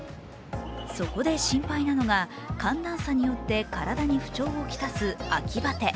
そこで心配なのが寒暖差によって体に不調を来す秋バテ。